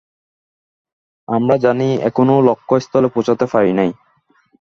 আমরা জানি, এখনও লক্ষ্যস্থলে পৌঁছিতে পারি নাই।